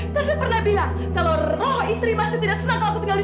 pasti habis makan telur yang banyak lagi nih